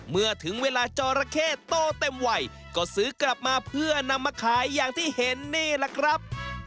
เมื่อถึงเวลาจอราเข้โตเต็มวัยก็ซื้อกลับมาเพื่อนำมาขายอย่างที่เห็นนี่แหละครับ